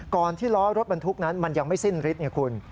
ก่อนที่ล้อรถบรรทุกนั้นมันยังไม่สิ้นฤทธิ์เนี่ยคุณ